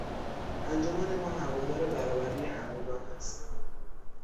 انجمن ما هوادار برابری همگان است.